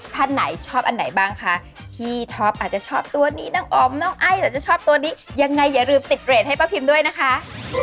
ท่านไหนชอบอันไหนบ้างคะพี่ท็อปอาจจะชอบตัวนี้น้องออมน้องไอ้แต่จะชอบตัวนี้ยังไงอย่าลืมติดเกรดให้ป้าพิมด้วยนะคะ